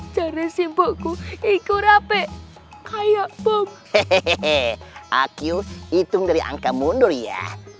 jalan simpul iku rape kayak bom hehehe aku hitung dari angka mundur ya